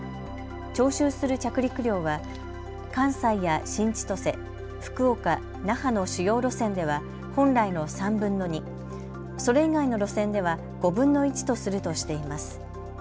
徴収する着陸料は関西や新千歳、福岡、那覇の主要路線では本来の３分の２、それ以外の路線では５分の１とするとしています。